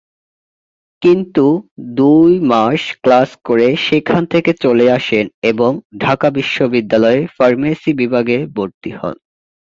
কিন্তু দুই মাস ক্লাস করে সেখান থেকে চলে আসেন এবং ঢাকা বিশ্ববিদ্যালয়ে ফার্মেসি বিভাগে ভর্তি হন।